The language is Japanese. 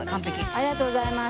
ありがとうございます。